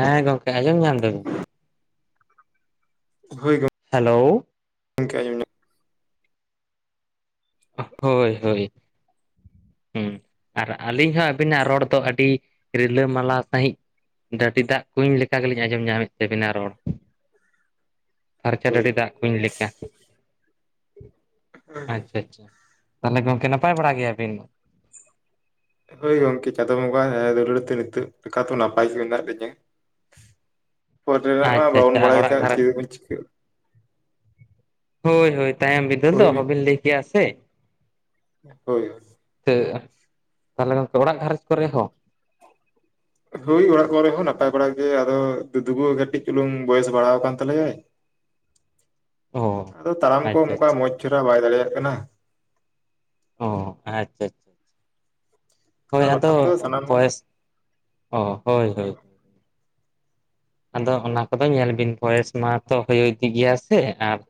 ᱦᱮᱸ ᱜᱚᱝᱠᱮ ᱟᱸᱡᱚᱢ ᱧᱟᱢ ᱫᱟᱹᱵᱤᱱ ᱦᱚᱭ ᱜᱚ- ᱦᱮᱞᱳ [unintelligible] ᱚᱦ ᱦᱳᱭ ᱦᱳᱭ ᱦᱩᱸ ᱟᱨ ᱟᱹᱞᱤᱧ ᱦᱚᱸ ᱟᱹᱵᱤᱱᱟᱜ ᱨᱚᱲ ᱫᱚ ᱟᱹᱰᱤ ᱨᱤᱞᱟᱹᱢᱟᱞᱟ ᱥᱟᱺᱦᱤᱡ ᱰᱟᱹᱰᱤ ᱫᱟᱜ ᱠᱩᱧ ᱞᱮᱠᱟ ᱜᱮᱞᱤᱧ ᱟᱸᱡᱚᱢ ᱧᱟᱢᱮᱫ ᱛᱟᱵᱤᱱᱟ ᱨᱚᱲ [inaudible] ᱯᱷᱟᱨᱪᱟ ᱦᱳᱭ ᱰᱟᱹᱰᱤ ᱫᱟᱜ ᱠᱩᱧ ᱞᱮᱠᱟ ᱾ [unintelligible] ᱟᱪᱪᱷᱟ ᱛᱟᱦᱞᱮ ᱜᱚᱝᱠᱮ ᱱᱟᱯᱟᱭ ᱵᱟᱲᱟ ᱜᱮᱭᱟᱵᱤᱱ? ᱦᱚᱭ ᱜᱚᱝᱠᱮ ᱪᱟᱸᱫᱚ ᱵᱚᱸᱜᱟ ᱟᱹ ᱫᱩᱞᱟᱹᱲ ᱛᱮ ᱱᱤᱛᱚᱜ ᱞᱮᱠᱟ ᱛᱚ ᱱᱟᱯᱟᱭ ᱜᱮ ᱢᱮᱱᱟᱜ ᱞᱤᱧᱟᱹ ᱾ ᱯᱚᱨᱮ ᱨᱮᱱᱟᱜ ᱢᱟ ᱟᱪᱪᱷᱟ ᱵᱟᱵᱚᱱ ᱟᱪᱪᱷᱟ ᱵᱟᱲᱟᱭ ᱚᱲᱟᱜ ᱠᱟᱜ ᱜᱷᱟᱨᱚᱸᱡᱽ ᱪᱮᱫ ᱵᱚᱱ ᱪᱤᱠᱟᱹᱜ ᱦᱳᱭ ᱦᱳᱭ ᱛᱟᱭᱚᱢ ᱵᱤᱫᱟᱹᱞ ᱫᱚ ᱦᱳᱭ ᱚᱦᱚᱵᱤᱱ ᱞᱟᱹᱭ ᱠᱮᱭᱟ ᱥᱮ ᱾ ᱦᱳᱭ [unintelligible] ᱛᱟᱦᱞᱮ ᱜᱚᱝᱠᱮ ᱚᱲᱟᱜ ᱜᱷᱟᱨᱚᱸᱡᱽ ᱠᱚᱨᱮ ᱦᱚᱸ? ᱦᱳᱭ ᱚᱲᱟᱜ ᱠᱚᱨᱮ ᱦᱚᱸ ᱱᱟᱯᱟᱭ ᱵᱟᱲᱟ ᱜᱮ ᱟᱫᱚ ᱫᱩᱫᱩ ᱜᱳ ᱠᱟᱹᱴᱤᱡ ᱪᱩᱞᱩᱝ ᱵᱚᱭᱮᱥ ᱵᱟᱲᱦᱟᱣ ᱟᱠᱟᱱ ᱛᱟᱞᱮᱭᱟᱭ ᱾ ᱚ ᱟᱫᱚ ᱛᱟᱲᱟᱢ ᱠᱚ ᱟᱪᱪᱷᱟ ᱚᱱᱠᱟ ᱟᱪᱪᱷᱟ ᱢᱚᱸᱡᱽ ᱪᱮᱦᱨᱟ ᱵᱟᱭ ᱫᱟᱲᱮᱭᱟᱜ ᱠᱟᱱᱟ ᱾ ᱚ ᱟᱪᱪᱷᱟ ᱟᱪᱪᱷᱟ ᱦᱳᱭ ᱟᱨ ᱟᱫᱚ ᱵᱟᱠᱷᱟᱱ ᱛᱚ ᱥᱟᱱᱟᱢ ᱵᱚᱭᱮᱥ ᱚᱦᱚ ᱦᱳᱭ ᱦᱳᱭ ᱟᱫᱚ ᱚᱱᱟ ᱠᱚᱫᱚ ᱧᱮᱞ ᱵᱤᱱ ᱵᱚᱭᱮᱥ ᱢᱟᱛᱚ ᱦᱳᱭ ᱤᱫᱤᱜ ᱜᱮᱭᱟ ᱥᱮ ᱟᱨ-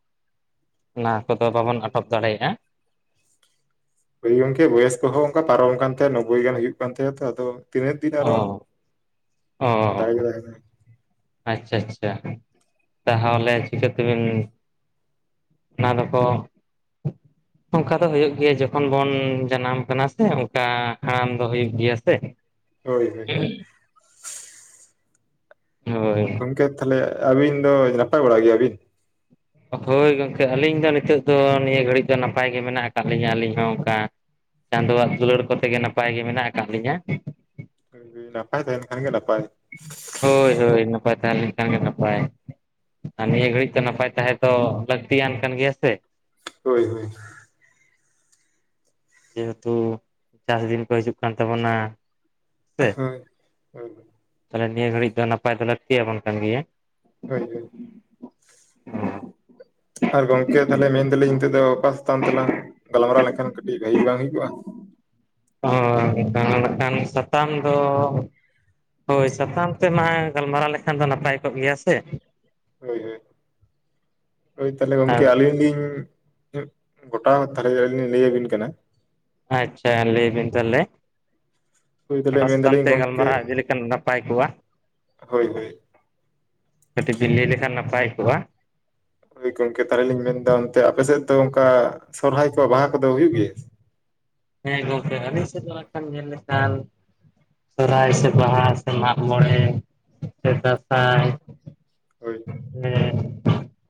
ᱚᱱᱟ ᱠᱚᱫᱚ ᱵᱟᱵᱚᱱ ᱟᱴᱚᱠ ᱫᱟᱲᱮᱭᱟᱜ-ᱟ ᱾ ᱦᱚᱭ ᱜᱚᱝᱠᱮ ᱵᱚᱭᱮᱥ ᱠᱚᱦᱚᱸ ᱚᱱᱠᱟ ᱯᱟᱨᱚᱢ ᱟᱠᱟᱱ ᱛᱟᱭᱟ ᱱᱳᱵᱵᱚᱭ ᱜᱟᱱ ᱦᱩᱭᱩᱜ ᱠᱟᱱ ᱛᱟᱭᱟ ᱛᱚ ᱟᱫᱚ ᱛᱤᱱᱟᱹᱜ ᱫᱤᱱ ᱟᱨᱚ ᱚ ᱚ ᱫᱟᱲᱮ ᱛᱟᱦᱮᱸᱱᱟ ᱟᱪᱪᱷᱟ ᱟᱪᱪᱷᱟ ᱛᱟᱦᱟᱣᱞᱮ ᱪᱤᱠᱟᱹ ᱛᱮᱵᱤᱱ ᱚᱱᱟ ᱫᱚᱠᱚ [inaudible] ᱚᱱᱠᱟ ᱫᱚ ᱦᱩᱭᱩᱜ ᱜᱮᱭᱟ ᱡᱚᱠᱷᱚᱱ ᱵᱚᱱ ᱡᱟᱱᱟᱢ ᱟᱠᱟᱱᱟ ᱥᱮ ᱚᱱᱠᱟ ᱦᱟᱲᱟᱢ ᱫᱚ ᱦᱩᱭᱩᱜ ᱜᱮᱭᱟ ᱥᱮ ᱾ ᱦᱳᱭ ᱦᱳᱭ ᱦᱳᱭ ᱜᱚᱝᱠᱮ ᱛᱟᱦᱞᱮ ᱟᱹᱵᱤᱱ ᱫᱚ ᱱᱟᱯᱟᱭ ᱵᱟᱲᱟ ᱜᱮᱭᱟ ᱵᱤᱱ? ᱦᱳᱭ ᱜᱚᱝᱠᱮ ᱟᱹᱞᱤᱧ ᱫᱚ ᱱᱤᱛᱚᱜ ᱫᱚ ᱱᱤᱭᱟᱹ ᱜᱷᱟᱹᱲᱤᱠ ᱫᱚ ᱱᱟᱯᱟᱭ ᱜᱮ ᱢᱮᱱᱟᱜ ᱟᱠᱟᱫ ᱞᱤᱧᱟᱹ ᱟᱹᱞᱤᱧ ᱦᱚᱸ ᱚᱱᱠᱟ ᱪᱟᱸᱫᱚ ᱣᱟᱜ ᱫᱩᱞᱟᱹᱲ ᱠᱚᱛᱮ ᱜᱮ ᱱᱟᱯᱟᱭ ᱜᱮ ᱢᱮᱱᱟᱜ ᱟᱠᱟᱜ ᱞᱤᱧᱟ ᱾ ᱦᱩᱸ ᱱᱟᱯᱟᱭ ᱛᱟᱦᱮᱱ ᱠᱷᱟᱱ ᱜᱮ ᱱᱟᱯᱟᱭ ᱾ ᱦᱳᱭ ᱦᱳᱭ ᱱᱟᱯᱟᱭ ᱛᱟᱦᱮᱱ ᱠᱷᱟᱱᱜᱮ ᱱᱟᱯᱟᱭ ᱟᱨ ᱱᱤᱭᱟᱹ ᱜᱷᱟᱹᱲᱤᱠ ᱫᱚ ᱱᱟᱯᱟᱭ ᱛᱟᱦᱮᱸ ᱫᱚ ᱞᱟᱹᱠᱛᱤᱭᱟᱱ ᱠᱟᱱ ᱜᱮᱭᱟ ᱥᱮ ᱾ ᱦᱳᱭ ᱦᱳᱭ ᱡᱮ ᱦᱩᱛᱩ ᱪᱟᱥ ᱫᱤᱱ ᱠᱚ ᱦᱤᱡᱩᱜ ᱠᱟᱱ ᱛᱟᱵᱚᱱᱟ ᱾ ᱦᱳᱭ ᱦᱳᱭ ᱛᱟᱦᱞᱮ ᱱᱤᱭᱟᱹ ᱜᱷᱟᱹᱲᱤᱡ ᱫᱚ ᱱᱟᱯᱟᱭ ᱫᱚ ᱞᱟᱹᱠᱛᱤ ᱭᱟᱵᱚᱱ ᱠᱟᱱ ᱜᱮᱭᱟ ᱾ ᱦᱳᱭ ᱦᱳᱭ [unintelligible] ᱟᱨ ᱜᱚᱝᱠᱮ ᱛᱟᱦᱞᱮ ᱢᱮᱱ ᱮᱫᱟᱞᱤᱧ ᱱᱤᱛᱚᱜ ᱫᱚ ᱚᱠᱟ ᱥᱟᱛᱟᱢ ᱛᱮᱞᱟᱝ ᱜᱟᱞᱢᱟᱨᱟᱣ ᱞᱮᱠᱷᱟᱱ ᱠᱟᱹᱴᱤᱡ ᱜᱟᱹᱦᱤ ᱵᱟᱝ ᱦᱩᱭ ᱠᱚᱜ-ᱟ? ᱚᱦᱚ [unintelligible] ᱥᱟᱛᱟᱢ ᱫᱚ ᱦᱳᱭ ᱥᱟᱛᱟᱢ ᱛᱮᱢᱟ ᱜᱟᱞᱢᱟᱨᱟᱣ ᱞᱮᱠᱷᱟᱱ ᱫᱚ ᱱᱟᱯᱟᱭ ᱠᱚᱜ ᱜᱮᱭᱟ ᱥᱮ ᱾ ᱦᱳᱭ ᱦᱳᱭ ᱛᱟᱦᱞᱮ ᱜᱚᱝᱠᱮ ᱟᱹᱞᱤᱧ ᱞᱤᱧ ᱜᱚᱴᱟ ᱛᱟᱦᱞᱮ ᱟᱹᱞᱤᱧ ᱞᱤᱧ ᱞᱟᱹᱭᱟᱹᱵᱤᱱ ᱠᱟᱱᱟ ᱾ ᱟᱪᱪᱷᱟ ᱞᱟᱹᱭ ᱵᱤᱱ ᱛᱟᱦᱞᱮ, ᱦᱳᱭ ᱛᱟᱦᱚᱞᱮ [unintelligible] ᱥᱟᱛᱟᱢ ᱢᱮᱱᱫᱟᱞᱤᱧ ᱛᱮ ᱜᱚᱝᱠᱮ ᱜᱟᱞᱢᱟᱨᱟᱣ ᱤᱫᱤ ᱞᱮᱠᱷᱟᱱ ᱱᱟᱯᱟᱭ ᱠᱚᱜ-ᱟ? ᱦᱳᱭ ᱦᱳᱭ ᱠᱟᱹᱴᱤᱡ ᱵᱤᱱ ᱞᱟᱹᱭ ᱞᱮᱠᱷᱟᱱ ᱱᱟᱯᱟᱭ ᱠᱚᱜ-ᱟ, ᱳᱭ ᱜᱚᱝᱠᱮ ᱛᱟᱦᱚᱞᱮ ᱞᱤᱧ ᱢᱮᱱ ᱫᱟ ᱚᱱᱛᱮ ᱟᱯᱮ ᱥᱮᱫ ᱫᱚ ᱚᱱᱠᱟ ᱥᱚᱨᱦᱟᱭ ᱠᱚ ᱵᱟᱦᱟ ᱠᱚᱫᱚ ᱦᱩᱭᱩᱜ ᱜᱮᱭᱟ? ᱦᱮᱸ ᱜᱚᱢᱠᱮ ᱟᱞᱮ ᱥᱮᱫ ᱫᱚ ᱱᱟᱜ-ᱠᱷᱟᱱ ᱧᱮᱞ ᱞᱮᱠᱷᱟᱱ ᱥᱚᱨᱦᱟᱭ ᱥᱮ ᱵᱟᱦᱟ ᱥᱮ ᱢᱟᱜ ᱢᱚᱬᱮ ᱥᱮ ᱫᱟᱸᱥᱟᱭ ᱦᱳᱭ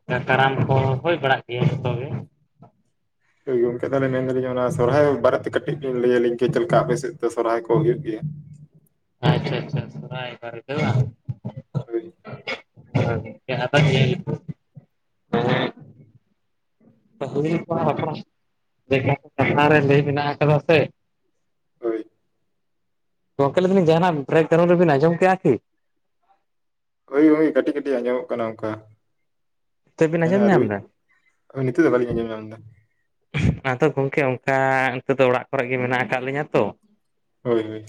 ᱥᱮ ᱠᱟᱨᱟᱢ ᱠᱚ ᱦᱩᱭ ᱵᱟᱲᱟᱜ ᱜᱮᱭᱟ ᱡᱷᱚᱛᱚ ᱜᱮ ᱾ ᱜᱚᱢᱠᱮ ᱛᱟᱦᱚᱞᱮ ᱢᱮᱱ ᱫᱟᱞᱤᱧ ᱚᱱᱟ ᱥᱚᱨᱦᱟᱭ ᱵᱟᱨᱮ ᱛᱮ ᱠᱟᱹᱴᱤᱡ ᱵᱤᱱ ᱞᱟᱹᱭᱟᱞᱤᱧ ᱠᱮ ᱪᱮᱫ ᱞᱮᱠᱟ ᱟᱯᱮ ᱥᱮᱫ ᱫᱚ ᱥᱚᱨᱦᱟᱭ ᱠᱚ ᱦᱩᱭᱩᱜ ᱜᱮᱭᱟ? ᱟᱪᱪᱷᱟ ᱟᱪᱪᱷᱟ ᱥᱚᱨᱦᱟᱭ ᱵᱟᱨᱮ ᱛᱮ ᱵᱟᱝ ᱦᱳᱭ [inaudible] [inaudible] [inaudible] ᱠᱟᱛᱷᱟ ᱨᱮ ᱞᱟᱹᱭ ᱢᱮᱱᱟᱜ ᱟᱠᱟᱫᱟ ᱥᱮ᱾ ᱦᱳᱭ ᱜᱳᱢᱠᱮ ᱞᱟᱹᱭ ᱮᱫᱟᱞᱤᱧ ᱡᱟᱦᱟᱸᱱᱟᱜ ᱵᱨᱮᱠᱜᱨᱟᱣᱩᱱᱰ ᱨᱮᱵᱤᱱ ᱟᱸᱡᱚᱢ ᱠᱮᱜ-ᱟ ᱠᱤ? ᱦᱳᱭ ᱦᱳᱭ, ᱠᱟᱹᱴᱤᱡ ᱠᱟᱹᱴᱤᱡ ᱟᱸᱡᱚᱢᱚᱜ ᱠᱟᱱᱟ ᱚᱱᱠᱟ ᱱᱤᱛᱚᱜ ᱵᱤᱱ ᱟᱸᱡᱚᱢ ᱮᱱᱟ ᱧᱟᱢ ᱨᱩᱭ ᱮᱫᱟ ᱱᱤᱛᱚᱜ ᱫᱚ ᱵᱟᱞᱤᱧ ᱟᱸᱡᱚᱢ ᱧᱟᱢ ᱮᱫᱟ᱾ ᱟᱫᱚ ᱜᱚᱢᱠᱮ ᱚᱱᱠᱟ ᱤᱱᱠᱟᱹ ᱫᱚ ᱚᱲᱟᱜ ᱠᱚᱨᱮ ᱜᱮ ᱢᱮᱱᱟᱜ ᱠᱟᱜ ᱞᱤᱧᱟᱹ ᱛᱚ ᱦᱳᱭ ᱦᱳᱭ᱾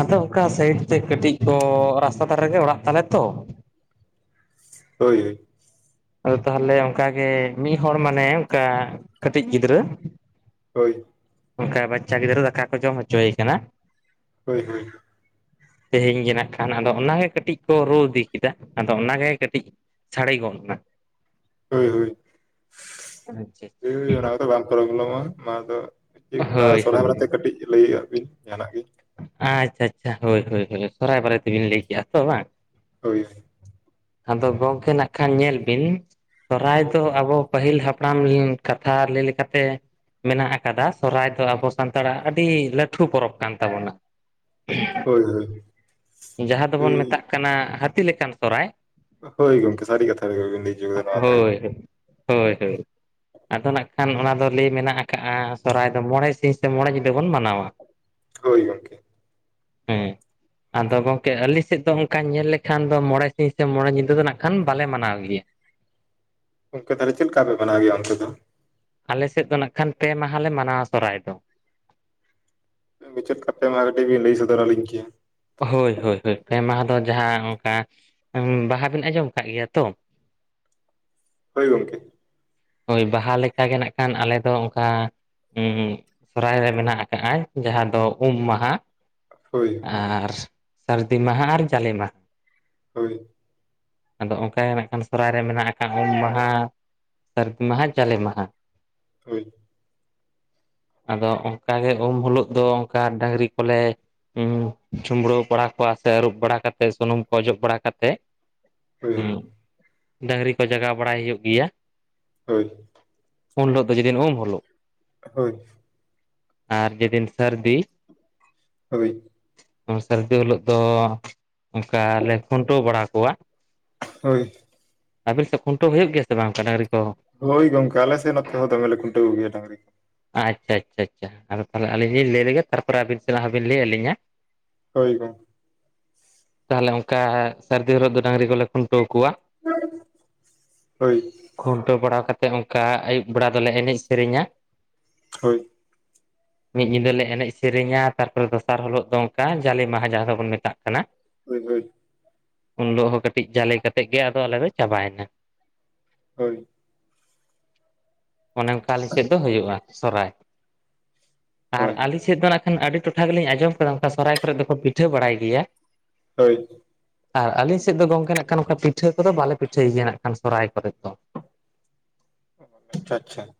ᱟᱫᱚ ᱚᱠᱟ ᱥᱟᱭᱤᱰ ᱛᱮ ᱠᱟᱹᱴᱤᱡ ᱠᱚ ᱨᱟᱥᱛᱟ ᱫᱷᱟᱨᱮ ᱨᱮᱜᱮ ᱚᱲᱟᱜ ᱛᱟᱞᱮ ᱛᱚ᱾ ᱦᱳᱭ ᱟᱫᱚ ᱛᱟᱦᱚᱞᱮ ᱚᱱᱠᱟᱜᱮ ᱢᱤᱫ ᱦᱚᱲ ᱢᱟᱱᱮ ᱚᱱᱠᱟ ᱠᱟᱹᱴᱤᱡ ᱜᱤᱫᱽᱨᱟᱹ᱾ ᱦᱳᱭ, ᱚᱱᱠᱟ ᱵᱟᱪᱪᱟ ᱜᱤᱫᱽᱨᱟᱹ ᱫᱟᱠᱟ ᱠᱚ ᱡᱚᱢ ᱦᱚᱪᱚᱭᱮ ᱠᱟᱱᱟ᱾ ᱦᱳᱭ ᱦᱳᱭ᱾ ᱛᱮᱦᱮᱧ ᱜᱮ ᱱᱟᱜ ᱠᱷᱟᱱ, ᱟᱫᱚ ᱚᱱᱟ ᱜᱮ ᱠᱟᱹᱴᱤᱡ ᱠᱚ ᱨᱩ ᱤᱫᱤ ᱠᱮᱫᱟ᱾ ᱟᱫᱚ ᱚᱱᱟᱜᱮ ᱠᱟᱹᱴᱤᱡ ᱪᱷᱲᱮ ᱜᱚᱫ ᱱᱟ᱾ ᱦᱳᱭ ᱦᱳᱭ, ᱟᱪᱪᱷᱟ ᱦᱩᱭ ᱚᱱᱟ ᱠᱚ ᱫᱚ ᱵᱟᱝ ᱯᱨᱚᱵᱽᱞᱮᱢᱚᱜ-ᱟ ᱢᱟ ᱟᱫᱚ, ᱪᱮᱜ ᱟᱪᱪᱷᱟ ᱚᱱᱟ ᱦᱳᱭ ᱥᱚᱨᱦᱟᱭ ᱦᱳᱭ ᱵᱟᱨᱮᱛ ᱠᱟᱹᱴᱤᱡ ᱞᱟᱹᱭᱟᱜ ᱵᱤᱱ ᱡᱟᱦᱟᱱᱟᱜ ᱜᱮ᱾ ᱟᱪᱪᱷᱟ ᱟᱪᱪᱷᱟ, ᱦᱳᱭ ᱦᱳᱭ ᱦᱳᱭ, ᱥᱚᱨᱦᱟᱭ ᱵᱟᱨᱮ ᱛᱮᱜᱮᱵᱤᱱ ᱞᱟᱹᱭ ᱠᱮᱜᱼᱟ ᱛᱚ ᱵᱟᱝ? ᱦᱳᱭ᱾ ᱟᱫᱚ ᱜᱚᱝᱠᱮ ᱱᱟᱜ ᱠᱷᱟᱱ ᱧᱮᱞ ᱵᱤᱱ ᱥᱚᱨᱦᱟᱭ ᱦᱳᱭ ᱫᱚ ᱟᱵᱚ- ᱯᱟᱹᱦᱤᱞ ᱦᱟᱯᱲᱟᱢ ᱠᱟᱛᱷᱟ ᱞᱟᱹᱭ ᱞᱮᱠᱟᱛᱮ ᱢᱮᱱᱟᱜ ᱟᱠᱟᱫᱟ, ᱥᱚᱨᱦᱟᱭ ᱫᱚ ᱟᱵᱚ ᱥᱟᱱᱛᱟᱲᱟᱜ ᱟᱹᱰᱤ ᱞᱟᱹᱴᱷᱩ ᱯᱚᱨᱚᱵᱽ ᱠᱟᱱ᱾ ᱛᱟᱵᱚᱱᱟ, ᱦᱳᱭ ᱦᱳᱭ ᱡᱟᱦᱟᱸ ᱫᱚᱵᱚᱱ ᱦᱳᱭ, ᱢᱮᱛᱟᱜ ᱠᱟᱱᱟ ᱦᱟᱹᱛᱤ ᱞᱮᱠᱟᱱ ᱥᱚᱨᱦᱟᱭ, ᱦᱳᱭ ᱜᱚᱢᱠᱮ ᱥᱟ. ᱨᱤ ᱠᱟᱛᱷᱟ ᱜᱮ ᱵᱮᱱ ᱞᱟᱹᱭ ᱪᱚ ᱠᱮᱫᱟ [inaudible] ᱦᱳᱭ ᱦᱳᱭ ᱦᱳᱭ᱾ ᱟᱫᱚ ᱱᱟᱜ ᱠᱷᱟᱱ ᱚᱱᱟ ᱫᱚ ᱞᱟᱹᱭ ᱢᱮᱱᱟᱜ ᱟᱠᱟᱫᱼᱟ ᱥᱚᱨᱦᱟᱭ ᱫᱚ ᱢᱚᱬᱮ ᱥᱤᱧ ᱥᱮ ᱢᱚᱬᱮ ᱧᱤᱫᱟᱹ ᱵᱚᱱ ᱢᱟᱱᱟᱣᱟ᱾ ᱦᱳᱭ ᱜᱚᱢᱠᱮ᱾ ᱦᱮᱸ [unintelligible] ᱟᱫᱚ ᱜᱚᱢᱠᱮ ᱟᱹᱞᱤᱧ ᱥᱮᱫ ᱫᱚ ᱚᱱᱠᱟ ᱧᱮᱞ ᱞᱮᱠᱷᱟᱱ ᱫᱚ ᱢᱚᱬᱮ ᱥᱤᱧ ᱥᱮ ᱢᱚᱬᱮ ᱧᱤᱫᱟᱹ ᱫᱚ ᱱᱟᱜ ᱠᱷᱟᱱ ᱵᱟᱞᱮ ᱢᱟᱱᱟᱣ ᱜᱮᱭᱟ᱾ ᱜᱚᱝᱠᱮ ᱛᱟᱦᱞᱮ ᱪᱮᱫ ᱞᱮᱠᱟ ᱯᱮ ᱢᱟᱱᱟᱣ ᱜᱮᱭᱟ ᱚᱱᱛᱮ ᱫᱚ? ᱟᱞᱮ ᱥᱮᱫ ᱫᱚ ᱱᱟᱜ ᱠᱷᱟᱱ ᱯᱮ ᱢᱟᱦᱟᱞᱮ ᱢᱟᱱᱟᱣᱟ ᱥᱚᱦᱨᱟᱭ ᱫᱚ᱾ ᱢᱩᱪᱟᱹᱫ ᱠᱟᱛᱮᱫ ᱢᱟ ᱠᱟᱹᱴᱤᱡ ᱵᱤᱱ ᱞᱟᱹᱭ ᱥᱚᱫᱚᱨ ᱟᱹᱞᱤᱧ ᱠᱮᱭᱟ᱾ ᱦᱳᱭ ᱦᱳᱭ ᱦᱳᱭ, ᱯᱮ ᱢᱟᱦᱟ ᱫᱚ ᱡᱟᱦᱟᱸ ᱚᱱᱠᱟ ᱵᱟᱦᱟ ᱵᱤᱱ ᱟᱸᱡᱚᱢ ᱠᱟᱜ ᱜᱮᱭᱟ ᱛᱚ? ᱦᱳᱭ ᱜᱳᱢᱠᱮ᱾ ᱦᱳᱭ, ᱵᱟᱦᱟ ᱞᱮᱠᱟᱜᱮ ᱱᱟᱜ ᱠᱷᱟᱱ ᱟᱞᱮ ᱫᱚ ᱚᱱᱠᱟ ᱥᱚᱨᱦᱟᱭ ᱨᱮ ᱢᱮᱱᱟᱜ ᱟᱠᱟᱜ-ᱟᱭ ᱡᱟᱦᱟᱸ ᱫᱚ ᱩᱢ ᱢᱟᱦᱟ᱾ ᱦᱳᱭ ᱟᱨ ᱥᱟᱹᱨᱫᱤ ᱢᱟᱦᱟ ᱟᱨ ᱡᱟᱞᱮ ᱢᱟᱦᱟ᱾ ᱦᱳᱭ᱾ ᱟᱫᱚ ᱚᱱᱠᱟᱜᱮ ᱱᱟᱜ ᱠᱷᱟᱱ ᱥᱚᱦᱨᱟᱭ ᱨᱮ ᱢᱮᱱᱟᱜ ᱟᱠᱟᱫ ᱩᱢ ᱢᱟᱦᱟ, ᱥᱟ. ᱨᱫᱤ ᱢᱟᱦᱟ, ᱡᱟᱞᱮ ᱢᱟᱦᱟ᱾ ᱦᱩᱸ᱾ ᱟᱫᱚ ᱚᱱᱠᱟ ᱜᱮ ᱩᱢ ᱦᱤᱞᱳᱜ ᱫᱚ ᱚᱱᱠᱟ ᱰᱟᱹᱝᱨᱤ ᱠᱚᱞᱮ ᱪᱷᱩᱢᱵᱽᱲᱟᱹᱣ ᱵᱟᱲᱟ ᱠᱚᱣᱟ ᱥᱮ ᱟᱹᱨᱩᱵ ᱵᱟᱲᱟᱠᱟᱛᱮ ᱥᱩᱱᱩᱢ ᱠᱚ ᱚᱡᱚᱜ ᱵᱟᱲᱟᱠᱟᱛᱮ ᱦᱮᱭ ᱦᱩᱭ᱾ [inaudible] ᱰᱟᱹᱟᱝᱨᱤ ᱠᱚ ᱡᱟᱜᱟᱣ ᱵᱟᱲᱟᱭ ᱦᱩᱭᱩᱜ ᱜᱮᱭᱟ᱾ ᱦᱳᱭ᱾ ᱩᱱ ᱦᱤᱞᱳᱜ ᱫᱚ ᱡᱮᱫᱤᱱ ᱩᱢ ᱦᱳᱞᱳᱜ᱾ ᱦᱳᱭ᱾ ᱟᱨ ᱡᱮᱫᱤᱱ ᱥᱟᱹᱨᱫᱤ, ᱦᱩᱭ ᱾ ᱥᱟᱹᱨᱫᱤ ᱦᱤᱞᱳᱜ ᱫᱚ ᱚᱱᱠᱟ ᱞᱮ ᱠᱷᱩᱱᱴᱟᱹᱣ ᱵᱟᱲᱟ ᱠᱚᱣᱟ ᱾ ᱦᱳᱭ ᱾ ᱟᱵᱮᱱ ᱥᱮᱫ ᱠᱷᱩᱱᱴᱟᱹᱣ ᱦᱩᱭᱩᱜ ᱜᱮᱭᱟ ᱥᱮ ᱵᱟᱝ ᱰᱟᱝᱨᱤ ᱠᱚ ᱾ ᱦᱳᱭ ᱜᱚᱢᱠᱮ ᱟᱞᱮᱥᱮ ᱱᱚᱛᱮ ᱫᱚᱢᱮ ᱞᱮ ᱠᱷᱩᱱᱴᱤ ᱠᱚᱜ ᱜᱮᱭᱟ ᱰᱟᱝᱨᱤ ᱠᱚ ᱟᱪᱷᱟ ᱟᱪᱷᱟ ᱟᱪᱷᱟ ᱛᱟᱦᱚᱞᱮ ᱟᱹᱞᱤᱧ ᱞᱤᱧ ᱞᱟᱹᱭ ᱞᱮᱜᱮ ᱛᱟᱨᱯᱚᱨᱮ ᱟᱹᱵᱤᱱ ᱥᱮᱱᱟᱜᱟᱜ ᱦᱚᱸᱵᱤᱱ ᱞᱟᱹᱭ ᱟᱹᱞᱤᱧᱟ ᱾ ᱦᱳᱭ ᱜᱚᱝᱠᱮ ᱾ ᱛᱟᱦᱚᱞᱮ ᱚᱱᱠᱟ ᱥᱟᱹᱨᱫᱤ ᱦᱤᱞᱳᱜ ᱫᱚ ᱰᱟᱝᱨᱤ ᱠᱚᱞᱮ ᱠᱷᱩᱱᱴᱟᱹᱣ ᱠᱚᱣᱟ ᱾ ᱦᱳᱭ ᱾ ᱠᱷᱩᱱᱴᱟᱹᱣ ᱵᱟᱲᱟ ᱠᱟᱛᱮᱫ ᱚᱱᱠᱟ ᱟᱹᱭᱩᱵ ᱵᱮᱲᱟ ᱫᱚᱞᱮ ᱮᱱᱮᱡ ᱥᱮᱨᱮᱧᱟ ᱾ ᱦᱩᱭ ᱾ ᱢᱤᱫ ᱧᱤᱫᱟᱹ ᱞᱮ ᱮᱱᱮᱡ ᱥᱮᱨᱮᱧᱟ ᱛᱟᱨᱯᱚᱨᱮ ᱫᱚᱥᱟᱨ ᱦᱤᱞᱳᱜ ᱫᱚ ᱚᱱᱠᱟ ᱡᱟᱞᱮ ᱢᱟᱦᱟ ᱡᱟᱦᱟᱸ ᱫᱚᱵᱚᱱ ᱢᱮᱛᱟᱜ ᱠᱟᱱᱟ ᱾ ᱦᱩᱭ ᱦᱩᱭ ᱾ ᱩᱱ ᱦᱟᱜ ᱦᱚᱸ ᱠᱟᱹᱴᱤᱡ ᱡᱟᱞᱮ ᱠᱟᱛᱮᱫ ᱜᱮ ᱟᱫᱚ ᱟᱞᱮ ᱫᱚ ᱪᱟᱵᱟᱭᱮᱱᱟ ᱾ ᱦᱳᱭ ᱾ ᱚᱱᱮ ᱚᱱᱠᱟ ᱟᱞᱮ ᱥᱮᱫ ᱫᱚ ᱦᱩᱭᱩᱜᱼᱟ ᱥᱚᱨᱦᱟᱭ ᱾ ᱟᱨ ᱦᱳᱭ ᱟᱞᱤᱧ ᱥᱮᱫ ᱫᱚ ᱱᱟᱜ ᱠᱷᱟᱱ ᱟᱹᱰᱤ ᱴᱚᱴᱷᱟ ᱜᱮᱞᱤᱧ ᱟᱸᱡᱚᱢ ᱠᱮᱫᱟ ᱚᱱᱠᱟ ᱥᱚᱨᱦᱟᱭ ᱠᱚᱨᱮᱜ ᱫᱚᱠᱚ ᱯᱤᱴᱷᱟᱹ ᱵᱟᱲᱟᱭ ᱜᱮᱭᱟ ᱦᱳᱭ ᱾ ᱟᱨ ᱟᱹᱞᱤᱧ ᱥᱮᱫ ᱫᱚ ᱜᱚᱝᱠᱮ ᱱᱟᱜ ᱠᱷᱟᱱ ᱯᱤᱴᱷᱟᱹ ᱠᱚᱫᱚ ᱵᱟᱞᱮ ᱯᱤᱴᱷᱟᱹ ᱭᱟᱹ ᱱᱟᱦᱜ ᱠᱷᱟᱱ ᱥᱚᱦᱚᱨᱟᱭ ᱠᱚᱨᱮᱫ ᱫᱚ ᱟᱪᱷᱟ ᱟᱪᱷᱟ ᱾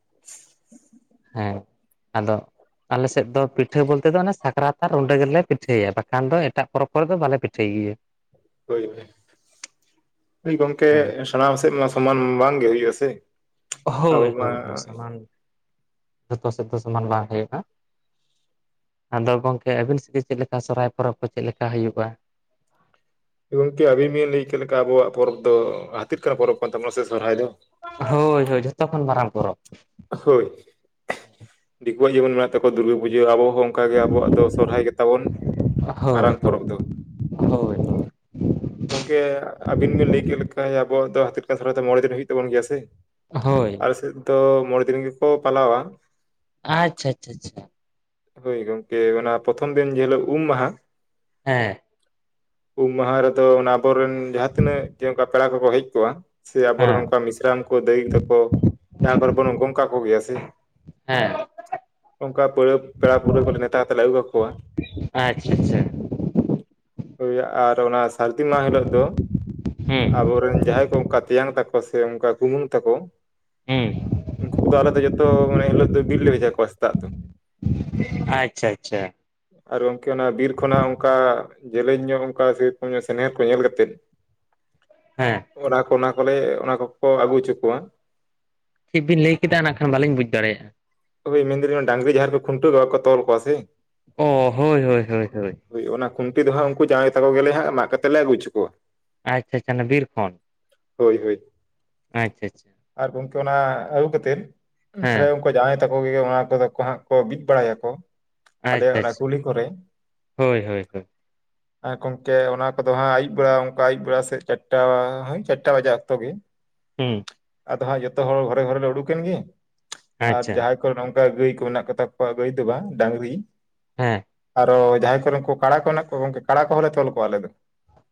ᱦᱮᱸ ᱟᱫᱚ ᱾ ᱟᱞᱮᱥᱮᱫ ᱫᱚ ᱯᱤᱴᱷᱟᱹ ᱵᱚᱞᱛᱮ ᱫᱚ ᱥᱟᱠᱨᱟᱛ ᱟᱨ ᱨᱩᱸᱰᱟᱹ ᱜᱮᱞᱮ ᱯᱤᱴᱷᱟᱹᱭᱟ ᱵᱟᱠᱷᱟᱱ ᱫᱚ ᱮᱴᱟᱜ ᱯᱚᱨᱚᱵᱽ ᱠᱚᱨᱮ ᱫᱚ ᱵᱟᱞᱮ ᱯᱤᱴᱷᱟᱹᱭ ᱜᱮᱭᱟ ᱾ ᱦᱩᱭ ᱦᱩᱭ ᱜᱚᱢᱠᱮ ᱦᱮᱸ ᱥᱟᱱᱟᱢ ᱥᱮᱫ ᱢᱟ ᱥᱚᱢᱟᱱ ᱵᱟᱝᱜᱮ ᱦᱩᱭᱩᱜ ᱟᱥᱮ ᱦᱳᱭ ᱦᱳᱭ ᱥᱚᱢᱟᱱ ᱡᱚᱛᱚ ᱥᱮᱫ ᱫᱚ ᱥᱚᱢᱟᱱ ᱵᱟᱝ ᱦᱩᱭᱩᱜᱼᱟ ᱾ ᱟᱫᱚ ᱜᱚᱝᱠᱮ ᱟᱹᱵᱤᱱ ᱥᱮᱫ ᱜᱮ ᱪᱮᱫ ᱞᱮᱠᱟ ᱥᱚᱦᱚᱨᱟᱭ ᱯᱚᱨᱚᱵᱽ ᱠᱚ ᱪᱮᱫ ᱞᱮᱠᱟ ᱦᱩᱭᱩᱜᱼᱟ ᱾ ᱜᱚᱝᱠᱮ ᱟᱵᱤᱱ ᱵᱤᱱ ᱞᱟᱹᱭ ᱪᱮᱫ ᱞᱮᱠᱟ ᱟᱵᱚᱣᱟᱜ ᱯᱚᱨᱚᱵᱽ ᱫᱚ ᱦᱟᱛᱤ ᱠᱟᱱᱟ ᱯᱚᱨᱚᱵᱽ ᱠᱟᱱ ᱛᱟᱵᱚᱱᱟ ᱥᱮ ᱥᱚᱨᱦᱟᱭ ᱫᱚ ᱾ ᱦᱳᱭ ᱦᱳᱭ ᱡᱚᱛᱚ ᱠᱷᱚᱱ ᱢᱟᱨᱟᱝ ᱯᱚᱨᱚᱵᱽ ᱾ ᱦᱳᱭ ᱫᱤᱠᱩᱣᱟᱜ ᱡᱮᱢᱚᱱ ᱢᱮᱱᱟᱜ ᱛᱟᱠᱚᱣᱟ ᱫᱩᱨᱜᱟᱹ ᱯᱩᱡᱟᱹ ᱟᱵᱚ ᱦᱚᱸ ᱚᱱᱠᱟᱜ ᱜᱮ ᱟᱵᱚᱣᱟᱜ ᱫᱚ ᱥᱚᱨᱦᱟᱭ ᱜᱮᱛᱟᱵᱚᱱ ᱦᱳᱭ ᱢᱟᱨᱟᱝ ᱦᱳᱭ ᱯᱚᱨᱚᱵᱽ ᱫᱚ ᱦᱳᱭ [inaudible] ᱜᱚᱝᱠᱮ ᱟᱵᱤᱱ ᱵᱤᱱ ᱞᱟᱹᱭ ᱠᱮᱫ ᱞᱮᱠᱟ ᱟᱵᱚᱣᱟᱜ ᱫᱚ ᱦᱟᱛᱤ ᱞᱮᱠᱟᱱ ᱥᱚᱦᱨᱟᱭ ᱫᱚ ᱢᱚᱬᱮ ᱫᱤᱱ ᱦᱩᱭᱩᱜ ᱛᱟᱵᱚᱱ ᱜᱮᱭᱟ ᱥᱮ? ᱦᱳᱭ ᱾ ᱟᱞᱮ ᱥᱮᱫ ᱫᱚ ᱢᱚᱬᱮ ᱫᱤᱱ ᱜᱮᱠᱚ ᱯᱟᱞᱟᱣᱟ ᱾ ᱟᱪᱷᱟ ᱟᱪᱷᱟ ᱟᱪᱷᱟ ᱾ ᱦᱳᱭ ᱜᱚᱝᱠᱮ ᱚᱱᱟ ᱯᱨᱚᱛᱷᱚᱢ ᱫᱤᱱ ᱡᱮᱦᱤᱞᱳᱜ ᱩᱢ ᱢᱟᱦᱟ ᱾ ᱦᱮᱸ ᱩᱢ ᱢᱟᱦᱟ ᱨᱮᱫᱚ ᱟᱵᱚᱨᱮᱱ ᱡᱟᱦᱟᱸ ᱛᱤᱱᱟᱹᱜ ᱜᱮ ᱚᱱᱠᱟ ᱯᱮᱲᱟ ᱠᱚᱠᱚ ᱦᱮᱡ ᱠᱚᱜᱼᱟ ᱾ ᱥᱮ ᱟᱵᱚᱨᱮᱱ ᱦᱮᱸ ᱚᱱᱠᱟ ᱢᱤᱥᱨᱟᱢ ᱠᱚ ᱫᱟᱹᱭ ᱛᱟᱠᱚ ᱡᱟᱦᱟᱸ ᱠᱚᱨᱮ ᱵᱚᱱ ᱜᱚᱝᱠᱟ ᱠᱚᱜᱮᱭᱟ ᱥᱮ ᱦᱮᱸ ᱚᱱᱠᱟ ᱯᱟᱹᱦᱟᱹ ᱯᱮᱲᱟ ᱯᱟᱹᱲᱦᱟᱹ ᱠᱚᱞᱮ ᱱᱮᱣᱛᱟ ᱛᱮᱞᱮ ᱟᱹᱜᱩ ᱠᱟᱠᱚᱣᱟ ᱟᱪᱪᱷᱟ ᱟᱪᱪᱷᱟ ᱟᱨ ᱚᱱᱟ ᱥᱟᱹᱨᱫᱤ ᱢᱟᱦᱟ ᱦᱤᱞᱳᱜ ᱫᱚ ᱦᱩᱸ ᱟᱵᱚᱨᱮᱱ ᱡᱟᱦᱟᱸᱭ ᱠᱚ ᱚᱱᱠᱟ ᱾ ᱛᱮᱧᱟᱝ ᱛᱮᱠᱚ ᱥᱮ ᱚᱱᱠᱟ ᱠᱩᱢᱟᱝ ᱛᱟᱠᱚ ᱦᱮᱸ ᱩᱱᱠᱩ ᱠᱚᱫᱚ ᱟᱞᱮ ᱫᱚ ᱡᱚᱛᱚ ᱢᱚᱱᱮ ᱦᱤᱞᱳᱜ ᱫᱚ ᱵᱤᱞ ᱞᱮ ᱵᱷᱮᱡᱟ ᱠᱚᱣᱟ ᱥᱮᱛᱟᱜ ᱫᱚ ᱟᱪᱪᱷᱟ - ᱟᱪᱪᱷᱟ ᱟᱨ ᱜᱚᱝᱠᱮ ᱚᱱᱟ ᱵᱤᱨ ᱠᱷᱚᱱᱟᱜ ᱚᱱᱠᱟ ᱡᱮᱞᱮᱧ ᱧᱚᱜ ᱚᱱᱠᱟ ᱥᱮᱨᱚᱠᱚᱢ ᱧᱚᱜ ᱥᱮᱱᱮᱨ ᱠᱚ ᱧᱮᱞ ᱠᱟᱛᱮᱫ ᱦᱮᱸ ᱚᱱᱟ ᱠᱚ ᱚᱱᱟ ᱠᱚᱞᱮ ᱚᱱᱟ ᱠᱚ-ᱠᱚ ᱟᱹᱜᱩ ᱦᱚᱪᱚ ᱠᱚᱣᱟ᱾ ᱪᱮᱫ ᱵᱤᱱ ᱞᱟᱹᱭ ᱠᱮᱫᱟ ᱱᱟᱜ ᱠᱷᱟᱱ ᱵᱟᱹᱞᱤᱧ ᱵᱩᱡᱽ ᱫᱟᱲᱮᱭᱟᱜᱼᱟ᱾ ᱦᱳᱭ ᱢᱮᱱᱫᱟᱹᱧ ᱰᱟᱝᱨᱤ ᱡᱟᱦᱟᱸ ᱨᱮ ᱠᱚ ᱠᱷᱩᱱᱴᱟᱹᱣ ᱠᱚ ᱛᱚᱞ ᱠᱚᱣᱟ ᱥᱮ ᱚ ᱦᱳᱭ - ᱦᱳᱭ - ᱦᱳᱭ - ᱦᱳᱭ ᱦᱳᱭ ᱚᱱᱟ ᱠᱷᱩᱱᱴᱤ ᱫᱟᱸᱜ ᱦᱟᱜ ᱩᱱᱠᱩ ᱡᱟᱶᱭᱟ ᱛᱟᱠᱚ ᱜᱮ ᱦᱟᱸᱜ ᱢᱟᱜ ᱠᱟᱛᱮ ᱞᱮ ᱟᱹᱜᱩᱪᱚ ᱠᱚᱣᱟ᱾ ᱟᱪᱷᱟ - ᱟᱪᱷᱟ ᱵᱤᱨ ᱠᱷᱚᱱ ᱦᱳᱭ - ᱦᱳᱭ ᱟᱪᱷᱟ - ᱟᱪᱷᱟ ᱟᱨ ᱜᱚᱝᱠᱮ ᱚᱱᱟ ᱟᱹᱜᱩ ᱠᱟᱛᱮᱫ ᱦᱮᱸ ᱛᱟᱦᱮ ᱩᱱᱠᱩ ᱡᱟᱶᱟᱭᱼᱼᱼ ᱛᱟᱠᱚ ᱜᱮ ᱚᱱᱟ ᱠᱚᱫᱚ ᱠᱚ ᱦᱟᱸᱜ ᱠᱚ ᱵᱤᱫ ᱵᱟᱲᱟᱭᱟ ᱠᱚ᱾ ᱟᱞᱮᱭᱟᱜ ᱟᱪᱪᱷᱟ ᱚᱱᱟ ᱟᱪᱪᱷᱟ ᱠᱩᱞᱦᱤ ᱠᱚᱨᱮ ᱦᱳᱭ ᱦᱳᱭ ᱦᱳᱭ ᱜᱚᱝᱠᱮ ᱚᱱᱟ ᱠᱚᱫᱚ ᱦᱟᱸᱜ ᱟᱭᱭᱩᱵ ᱵᱮᱲᱟ ᱚᱱᱠᱟ ᱟᱹᱭᱩᱵ ᱵᱮᱲᱟ ᱥᱮᱫ ᱪᱟᱨᱴᱟ ᱦᱭ ᱪᱟᱨᱴᱟ ᱵᱟᱡᱟᱜ ᱚᱠᱛᱚ ᱜᱮ [inaudible] ᱦᱩᱸ ᱟᱫᱚ ᱦᱟᱸᱜ ᱡᱚᱛᱚ ᱦᱚᱲ ᱜᱷᱚᱨᱮ - ᱜᱷᱚᱨᱮ ᱞᱮ ᱩᱰᱩᱠᱮᱱ ᱜᱮ ᱟᱨ ᱟᱪᱪᱷᱟ ᱡᱟᱦᱭ ᱱᱚᱝᱠᱟ ᱜᱟᱹᱭ ᱠᱚ ᱢᱮᱱᱟᱜ ᱠᱚᱛᱟ ᱠᱚᱣᱟ ᱜᱟᱹᱭ ᱫᱚ ᱵᱟᱝ ᱰᱟᱝᱨᱤ ᱦᱮᱸᱻ ᱟᱨᱚ ᱡᱟᱦᱟᱸᱭ ᱠᱚᱨᱮᱱ ᱠᱩ ᱠᱟᱲᱟ ᱠᱚ ᱢᱮᱱᱟᱜ ᱠᱚᱣᱟ ᱜᱚᱝᱠᱮ ᱠᱟᱲᱟ ᱠᱚᱦᱚᱸᱞᱮ ᱛᱚᱞ ᱠᱚᱣᱟ ᱟᱞᱮ ᱫᱚ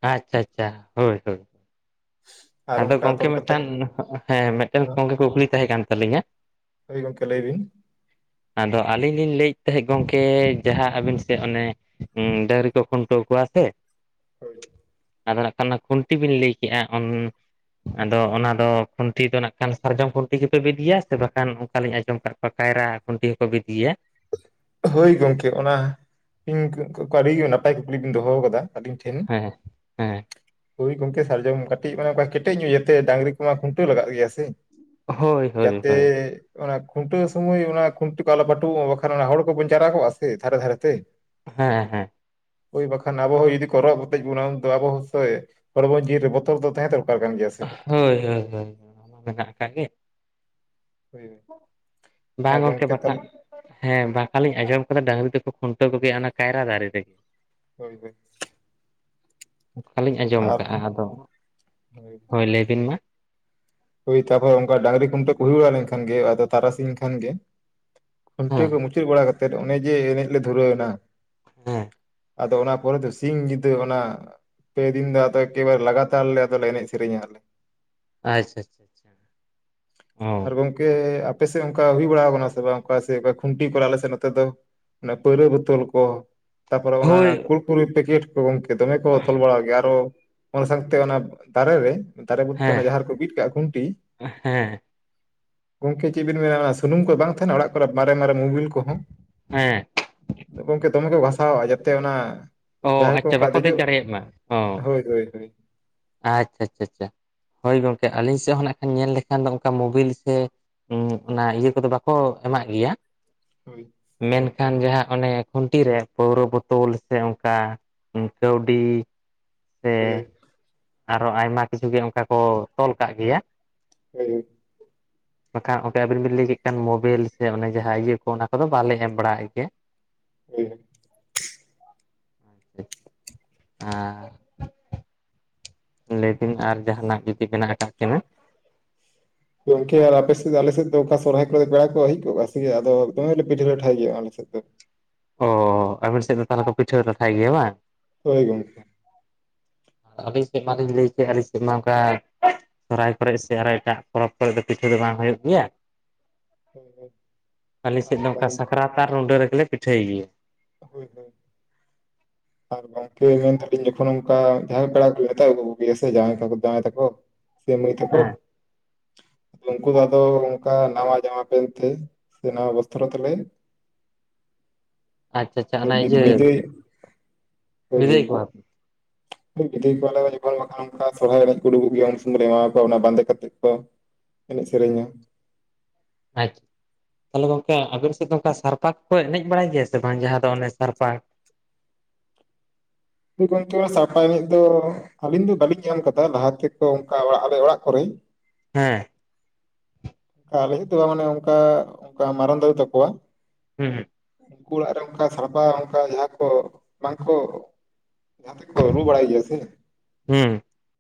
ᱟᱪᱷᱟ - ᱟᱪᱷᱟ, ᱦᱳᱭ - ᱦᱳᱭ [unintelligible] ᱟᱫᱚ ᱜᱚᱝᱠᱮ ᱛᱚᱞ ᱠᱟᱛᱮᱫ ᱢᱤᱫᱴᱟᱝ ᱦᱮᱸ ᱢᱤᱫᱴᱮᱱ ᱜᱚᱝᱠᱮ ᱠᱩᱠᱞᱤ ᱛᱟᱦᱮᱸ ᱠᱟᱱ ᱛᱟᱞᱤᱧᱟ᱾ ᱦᱳᱭ ᱜᱚᱝᱠᱮ ᱞᱟᱹᱭ ᱵᱤᱱ ᱟᱫᱚ ᱟᱹᱞᱤᱧ ᱞᱤᱧ ᱞᱟᱹᱭᱮᱫ ᱛᱟᱦᱮᱸᱫ ᱜᱚᱝᱠᱮ ᱡᱟᱦᱟᱸ ᱟᱵᱤᱱ ᱥᱮ ᱚᱱᱮ ᱦᱩᱸ ᱰᱟᱝᱨᱤ ᱠᱚ ᱠᱷᱩᱱᱴᱟᱣ ᱠᱚᱣᱟ ᱟᱥᱮ ᱦ [unintelligible] ᱟᱫᱚ ᱱᱟᱜ ᱠᱷᱟᱱ ᱚᱱᱟ ᱠᱷᱩᱱᱴᱤ ᱵᱤᱱ ᱞᱟᱹᱭ ᱠᱮᱟᱜᱼᱟ ᱚᱱ ᱟᱫᱚ ᱚᱱᱟ ᱫᱚ ᱠᱷᱩᱱᱴᱤ ᱫᱚ ᱱᱟᱜ ᱠᱷᱟᱱ ᱥᱟᱨᱡᱚᱢ ᱠᱷᱩᱱᱴᱤ ᱜᱮᱯᱮ ᱵᱤᱫᱤᱭᱟ ᱥᱮ ᱵᱟᱠᱷᱟᱱ ᱚᱱᱠᱟᱞᱤᱧ ᱟᱸᱡᱚᱢ ᱠᱟᱜ ᱠᱚᱣᱟ ᱠᱟᱭᱨᱟ ᱠᱷᱩᱱᱴᱤ ᱦᱚᱸᱠᱚ ᱵᱤᱫ ᱤᱮᱭᱟ ᱦᱳᱭ ᱜᱚᱝᱠᱮ ᱚᱱᱟ ᱤᱧ ᱟᱹᱰᱤ ᱱᱟᱯᱟᱭ ᱠᱩᱠᱞᱤ ᱵᱤᱱ ᱫᱚᱦᱚ ᱠᱟᱫᱟ᱾ ᱟᱹᱵᱤᱱ ᱴᱷᱮᱱ ᱦᱮᱸ ᱦᱮᱸ ᱦᱳᱭ ᱜᱚᱝᱠᱮ ᱥᱟᱨᱡᱚᱢ ᱠᱟᱹᱴᱤᱡ ᱢᱟᱱᱮ ᱠᱟ ᱠᱮᱴᱮᱡ ᱧᱚᱜ ᱤᱭᱟᱛᱮ ᱰᱟᱝᱨᱤ ᱠᱚᱢᱟ ᱠᱷᱩᱱᱴᱟᱹ ᱞᱟᱜᱟᱜ ᱜᱮᱭᱟ ᱥᱮ ᱦᱳᱭ ᱦᱳᱭ ᱡᱟᱛᱮ ᱦᱳᱭ ᱚᱱᱟ ᱠᱷᱩᱱᱴᱟᱹᱣ ᱥᱚᱢᱚᱭ ᱚᱱᱟ ᱠᱷᱩᱱᱴᱤᱟᱹ ᱠᱚ ᱟᱞᱚ ᱯᱟᱹᱴᱩᱣ ᱢᱟ ᱵᱟᱠᱷᱟᱱ ᱚᱱᱟ ᱦᱚᱲ ᱵᱚᱱ ᱡᱟᱣᱨᱟ ᱠᱚᱣᱟ ᱥᱮ ᱫᱷᱟᱨᱮ ᱫᱷᱟᱨᱮ ᱛᱮ ᱦᱮᱸ - ᱦᱮᱸ ᱳᱭ ᱵᱟᱠᱷᱟᱱ ᱟᱵᱚ ᱦᱚᱸ ᱡᱩᱫᱤ ᱠᱚ ᱨᱚᱜ ᱦᱩᱴᱤᱡ ᱵᱚᱱᱟ ᱩᱱᱫᱚ ᱟᱵᱚ ᱦᱚᱥᱮ ᱦᱚᱲᱢᱚ ᱡᱤᱣᱩ ᱨᱮ ᱵᱚᱛᱚᱨ ᱫᱚ ᱛᱟᱦᱮᱸ ᱫᱚᱨᱠᱟᱨ ᱠᱟᱱ ᱜᱮᱭᱟ ᱥᱮ? ᱦᱳᱭ - ᱦᱳᱭ - ᱦᱳᱭ ᱚᱱᱟ ᱢᱟ ᱢᱮᱱᱟᱜ ᱠᱟ ᱜᱮ ᱦᱳᱭ ᱦᱳᱭ ᱵᱟ ᱟᱨ ᱜᱚᱝᱠᱮ ᱵᱟᱴᱟ ᱛᱟᱦᱚᱞᱮ ᱦᱮᱸ ᱵᱟᱝᱠᱷᱱ ᱞᱤᱧ ᱟᱸᱡᱚᱢ ᱟᱠᱟᱫᱟ ᱰᱟᱝᱨᱤ ᱫᱚᱠᱚ ᱠᱷᱩᱱᱴᱟᱹᱣ ᱠᱚᱜᱮᱭᱼᱟ ᱟᱱᱟ ᱠᱟᱭᱨᱟ ᱫᱟᱨᱮ ᱨᱮᱜᱮ᱾ ᱦᱳᱭ - ᱦᱳᱭ ᱚᱠᱟᱞᱤᱧ ᱟᱸᱡᱚᱢᱟ ᱟᱨ ᱠᱟᱜᱼᱟ, ᱟᱫᱚ ᱦᱳᱭ ᱞᱟᱹᱭ ᱵᱤᱱ ᱢᱟ? ᱳᱭ ᱛᱟᱯᱚᱨ ᱚᱱᱠᱟ ᱰᱟᱝᱨᱤ ᱠᱷᱩᱱᱴᱟᱹ ᱠᱚ ᱦᱩᱭᱩᱲᱲᱟ ᱞᱮᱱᱠᱷᱟᱱ ᱜᱮ ᱟᱫᱚ ᱛᱟᱨᱟᱥᱤᱧᱱ ᱠᱷᱟᱱᱜ ᱜᱮᱼᱼᱼ ᱠᱷᱩᱱᱴᱟᱹᱣ ᱦᱮᱸ ᱠᱚ ᱢᱩᱪᱟᱹᱫ ᱵᱟᱲᱟ ᱠᱟᱛᱮᱫ ᱚᱱᱮ ᱡᱮ ᱮᱱᱮᱡ ᱞᱮ ᱫᱷᱩᱨᱟᱹᱣ ᱮᱱᱟ᱾ ᱦᱮᱸᱻ ᱟᱫᱚ ᱚᱱᱟ ᱯᱚᱨᱮ ᱫᱚ ᱥᱤᱧ ᱡᱩᱫᱟᱹ ᱚᱱᱟ ᱯᱮ ᱫᱤᱱ ᱫᱚ ᱟᱫᱚ ᱮᱠᱮᱵᱟᱨ ᱞᱟᱜᱛᱟᱨ ᱞᱮ ᱟᱫᱚ ᱞᱮ ᱮᱱᱮᱡ, ᱥᱮᱨᱮᱧᱟ, ᱟᱞᱮ ᱟᱪᱷᱟ - ᱟᱪᱷᱟ - ᱟᱪᱷᱟ ᱪᱷᱟ -ᱪᱷᱟ ᱟᱨ ᱜᱚᱝᱠᱮ ᱟᱯᱮ ᱥᱮᱫ ᱚᱱᱠᱟ ᱦᱩᱭ ᱵᱟᱲᱟᱣ ᱠᱟᱱᱟ ᱥᱮ ᱵᱟᱝ ᱚᱠᱟ ᱥᱮᱫ ᱫᱚ ᱠᱷᱩᱱᱴᱤ ᱠᱚᱨᱟᱣ ᱞᱮ ᱥᱮᱱᱚᱜ ᱛᱟᱦᱮᱸᱜ ᱫᱚ᱾ ᱚᱱᱟ ᱯᱟᱹᱣᱨᱟᱹ ᱵᱚᱛᱚᱞ ᱠᱚ᱾ ᱛᱟᱯᱚᱨᱮ ᱚᱱᱟ ᱦᱳᱭ ᱠᱩᱲᱠᱩᱨᱤ ᱯᱮᱠᱮᱴ ᱠᱚ ᱜᱚᱝᱠᱮ ᱫᱚᱢᱮ ᱠᱚ ᱛᱷᱚᱞ ᱵᱟᱲᱟᱭ ᱜᱮᱭᱟ ᱟᱨᱚ ᱚᱱᱟ ᱥᱟᱝᱛᱮ ᱚᱱᱟ ᱫᱟᱨᱮ ᱨᱮ, ᱫᱟᱨᱮ ᱵᱚᱞ ᱛᱮ ᱦᱮᱸ ᱚᱱᱟ ᱡᱟᱦᱟᱸ ᱨᱮ ᱠᱚ ᱵᱤᱫ ᱠᱟᱜᱼᱟ ᱠᱷᱩᱱᱴᱤ ᱦᱮᱸ᱾ ᱜᱚᱝᱠᱮ ᱪᱮᱫ ᱵᱤᱱ ᱢᱮᱱᱟ ᱚᱱᱟ ᱥᱩᱱᱩᱢ ᱠᱚ ᱵᱟᱝ ᱛᱟᱦᱮᱸᱱᱟ ᱚᱲᱟᱜ ᱠᱚᱨᱮ ᱢᱟᱨᱮ ᱢᱟᱨᱮ ᱢᱩᱵᱤᱞ ᱠᱚᱦᱚᱸ᱾ ᱦᱮᱸ᱾ ᱜᱚᱝᱠᱮ ᱫᱚᱢᱮ ᱠᱚ ᱜᱷᱟᱥᱟᱣᱟᱜ-ᱟ ᱡᱟᱛᱮ ᱚᱱᱟ ᱚ ᱡᱟᱦᱟᱸᱭ ᱠᱚ ᱟᱪᱪᱷᱟ ᱚᱱᱠᱟ ᱵᱟᱠᱚ ᱫᱮᱡ ᱫᱮᱡᱚᱜ ᱫᱟᱲᱮᱭᱟᱜ ᱢᱟ᱾ ᱚ ᱦᱳᱭ ᱦᱳᱭ ᱦᱳᱭ ᱟᱪᱪᱷᱟ ᱟᱪᱪᱷᱟ ᱟᱪᱪᱷᱟ ᱟᱪᱪᱷᱟ᱾ ᱦᱳᱭ ᱜᱚᱝᱠᱮ, ᱟᱹᱞᱤᱧ ᱥᱮᱫ ᱦᱚᱸ ᱱᱟᱜ ᱠᱷᱟᱱ ᱧᱮᱞ ᱞᱮᱠᱷᱟᱱ ᱫᱚ ᱚᱱᱠᱟ ᱢᱳᱵᱤᱞ ᱥᱮ ᱦᱩᱸ, ᱚᱱᱟ ᱤᱭᱟᱹ ᱠᱚᱫᱚ ᱵᱟᱠᱚ ᱮᱢᱟᱜ ᱜᱮᱭᱟ᱾ ᱦᱳᱭ ᱢᱮᱱᱠᱷᱟᱱ ᱡᱟᱦᱟᱸ ᱚᱱᱮ ᱠᱷᱩᱱᱴᱤ ᱨᱮ ᱯᱟᱹᱣᱨᱟᱹ ᱵᱳᱛᱳᱞ ᱥᱮ ᱚ ᱝᱠᱟ ᱠᱟᱹᱣᱰᱤ ᱥᱮ ᱦᱳᱭ ᱟᱨᱚ ᱟᱭᱢᱟ ᱠᱤᱪᱷᱩ ᱜᱮ ᱚᱱᱠᱟ ᱠᱚ ᱛᱚᱞ ᱠᱟᱜ ᱜᱮᱭᱟ᱾ ᱡᱟᱭᱦᱩᱠ᱾ ᱵᱟᱠᱷᱟᱱ ᱜᱚᱝᱠᱮ ᱟᱵᱤᱱ ᱵᱤᱱ ᱞᱟᱹᱭ ᱠᱮᱫ ᱠᱷᱟᱱ ᱢᱳᱵᱤᱞ ᱥᱮ ᱚᱱᱮ ᱡᱟᱦᱟᱸ ᱤᱭᱟᱹ ᱠᱚ ᱚᱱᱟ ᱠᱚᱫᱚ ᱵᱟᱞᱮ ᱮᱢ ᱵᱟᱲᱟᱜ ᱜᱮᱭᱟ᱾ [unintelligible] [unintelligible] ᱟᱻᱻ ᱞᱟᱹᱭ ᱵᱤᱱ ᱟᱨ ᱡᱟᱦᱟᱱᱟᱜ ᱡᱩᱫᱤ ᱢᱮᱱᱟᱜ ᱟᱠᱟᱫ ᱠᱤᱱᱟ᱾ [inaudible] ᱜᱚᱝᱠᱮ ᱟᱨ ᱟᱯᱮ ᱥᱮᱫ ᱫᱚ ᱟᱞᱮ ᱥᱮᱫ ᱫᱚ ᱚᱱᱠᱟ ᱥᱚᱨᱦᱟᱭ ᱠᱚᱨᱮ ᱯᱮᱲᱟ ᱠᱚ ᱦᱮᱡ ᱠᱚᱜᱼᱟ ᱥᱮ ᱟᱫᱚ ᱫᱚᱢᱮ ᱞᱮ ᱯᱤᱴᱷᱟᱹ ᱞᱟᱴᱷᱟᱭ ᱜᱮᱭᱟ ᱟᱞᱮ ᱥᱮᱫ ᱫᱚ᱾ ᱚ, ᱟᱹᱵᱤᱱ ᱥᱮᱫ ᱫᱚ ᱛᱟᱦᱚᱞᱮ ᱠᱚ ᱯᱤᱴᱷᱟᱹ ᱞᱟᱴᱷᱟᱭ ᱜᱮᱭᱟ ᱵᱟᱝ᱾ ᱦᱳᱭ ᱜᱚᱝᱠᱮ᱾ ᱟᱹᱵᱤᱧ ᱥᱮᱫ ᱢᱟᱞᱤᱧ ᱞᱟᱹᱭ ᱠᱮᱜ-ᱟ ᱟᱹᱞᱤᱧ ᱥᱮᱫ ᱢᱟ ᱚᱱᱠᱟ ᱥᱚᱨᱦᱟᱭ ᱠᱚᱨᱮ ᱥᱮ ᱟᱨᱚ ᱮᱴᱟᱜ ᱯᱚᱨᱚᱵᱽ ᱠᱚᱨᱮ ᱫᱚ ᱯᱤᱴᱷᱟᱹ ᱫᱚ ᱵᱟᱝ ᱦᱩᱭᱩᱜ ᱜᱮᱭᱟ᱾ ᱦᱳᱭ ᱦᱳᱭ ᱟᱞᱮ ᱥᱮᱫ ᱟᱨ ᱱᱚᱝᱠᱟ ᱜᱚᱝ ᱥᱟᱠᱨᱟᱛ ᱟᱨ ᱨᱩᱸᱰᱟᱹ ᱨᱮᱜᱮ ᱞᱮ ᱯᱤᱴᱷᱟᱹᱭ ᱜᱮᱭᱟ᱾ ᱦᱳᱭ ᱦᱳᱭ᱾ ᱟᱨ ᱜᱚᱝᱠᱮ ᱢᱮᱱ ᱫᱟᱞᱤᱧ ᱡᱚᱠᱷᱚᱱ ᱚᱱᱠᱟ ᱡᱟᱦᱟᱸᱭ ᱯᱮᱲᱟ ᱠᱚ ᱢᱮᱛᱟᱣᱟ ᱠᱚ ᱜᱮᱭᱟ ᱥᱮ ᱡᱟᱶᱟᱭ ᱛᱟᱠᱚ ᱡᱟᱶᱟᱭ ᱛᱟᱠᱚ, ᱥᱮ ᱢᱟᱹᱭ ᱛᱮᱠᱚ᱾ ᱦᱮᱸ ᱱᱩᱝᱠᱩ ᱫᱚ ᱟᱫᱚ ᱱᱚᱝᱠᱟ ᱱᱟᱣᱟ ᱡᱟᱢᱟ ᱯᱮᱱ ᱛᱮ ᱥᱮ ᱱᱟᱣᱟ ᱵᱚᱥᱛᱨᱚ ᱛᱮᱞᱮ ᱟᱪᱪᱷᱟ ᱟᱪᱪᱷᱟ, ᱚᱱᱮ ᱵᱤᱫ ᱤᱡᱟᱹ ᱵᱤᱫᱟᱹᱭ ᱦᱳᱭ ᱦᱳᱭ ᱵᱤᱫᱟᱹᱭ ᱠᱚᱣᱟ ᱯᱮ᱾ ᱵᱤᱫᱟᱹᱭ ᱠᱚᱣᱟᱞᱮ ᱡᱚᱠᱷᱚᱱ, ᱵᱟᱠᱷᱟᱱ ᱚᱱᱠᱟ ᱥᱚᱨᱦᱟᱭ ᱮᱱᱮᱡ ᱠᱚ ᱩᱰᱩᱠᱚᱜ ᱜᱮᱭᱟ ᱩᱱ ᱥᱚᱢᱚᱭ ᱞᱮ ᱮᱢᱟ ᱠᱚᱣᱟ ᱚᱱᱟ ᱵᱟᱸᱫᱮ ᱠᱟᱛᱮᱫ ᱠᱚ ᱮᱱᱮᱡ ᱥᱮᱨᱮᱧᱟ᱾ ᱟᱪᱪᱷᱟ᱾ ᱛᱟᱦᱚᱞᱮ ᱜᱚᱝᱠᱮ ᱟᱵᱮᱱ ᱥᱮᱫ ᱫᱚ ᱚᱱᱠᱟ ᱥᱟᱨᱯᱟ ᱠᱚ ᱠᱚ ᱮᱱᱮᱡ ᱵᱟᱲᱟᱭ ᱜᱮᱭᱟ ᱥᱮ ᱵᱟᱝ, ᱡᱟᱦᱟᱸ ᱫᱚ ᱚᱱᱮ ᱥᱟᱨᱯᱟ ᱜᱚᱝᱠᱮ ᱥᱟᱲᱯᱟ ᱮᱱᱮᱡ ᱫᱚ ᱟᱹᱞᱤᱧ ᱫᱚ ᱵᱟᱹᱞᱤᱧ ᱧᱮᱞ ᱠᱟᱫᱟ ᱞᱟᱦᱟ ᱛᱮᱠᱚ ᱚᱱᱠᱟ ᱟᱞᱮ ᱚᱲᱟᱜ ᱠᱚᱨᱮ ᱦᱮᱸ᱾ ᱟᱞᱤᱧ ᱛᱚ ᱢᱟᱱᱮ ᱚᱱᱠᱟ ᱚᱱᱠᱟ ᱢᱟᱨᱟᱝ ᱫᱟᱫᱟ ᱛᱟᱠᱚᱣᱟ ᱦᱩᱸ ᱦᱩᱸ᱾ ᱩᱱᱠᱩ ᱚᱲᱟᱜ ᱨᱮ ᱚᱱᱠᱟ ᱥᱟᱲᱯᱟ ᱚᱱᱠᱟ ᱡᱟᱦᱟᱸ ᱠᱚ ᱵᱟᱝ ᱠᱚ ᱡᱟᱦᱟᱸ ᱛᱮᱠᱚ ᱨᱩ ᱵᱟᱲᱟᱭ ᱜᱮᱭᱟ ᱥᱮ, ᱦᱩᱸ᱾